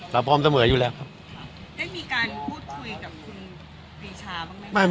เราพร้อมเสมออยู่แล้วครับค่ะได้มีการพูดคุยกับคุณปีชาบ้างไหมบ้าง